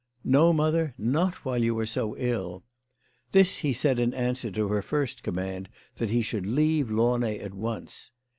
" No, mother ; not while you are so ill." This he said in answer to her first command that he should leave Launay at once.